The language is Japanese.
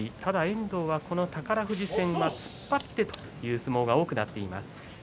遠藤は宝富士戦は突っ張ってという相撲が多くなっています。